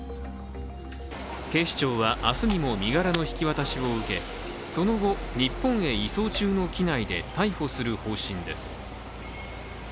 警視庁は明日にも、身柄の引き渡しを受けその後、日本へ移送中の機内で逮捕する方針です。